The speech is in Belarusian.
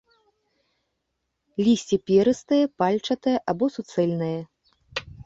Лісце перыстае, пальчатае або суцэльнае.